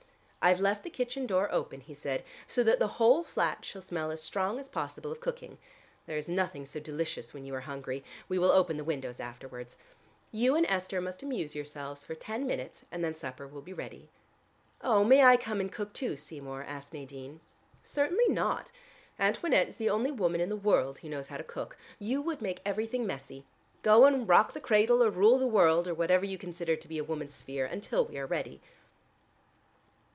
"I've left the kitchen door open," he said, "so that the whole flat shall smell as strong as possible of cooking. There is nothing so delicious when you are hungry. We will open the windows afterwards. You and Esther must amuse yourselves for ten minutes, and then supper will be ready." "Oh, may I come and cook too, Seymour?" asked Nadine. "Certainly not. Antoinette is the only woman in the world who knows how to cook. You would make everything messy. Go and rock the cradle or rule the world, or whatever you consider to be a woman's sphere, until we are ready."